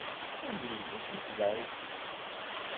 Sami ulac-it da i kečč.